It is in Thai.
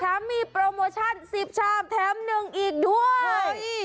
มีโปรโมชั่น๑๐ชามแถม๑อีกด้วย